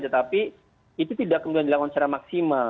tetapi itu tidak kemudian dilakukan secara maksimal